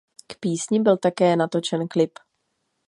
K písni byl také natočen klip.